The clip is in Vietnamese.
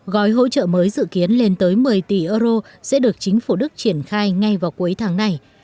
gói hỗ trợ mới dự kiến lên tới một mươi tỷ euro sẽ được chính phủ đức triển khai ngay vào cuối tháng này